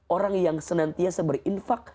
orang yang senantiasa berinfak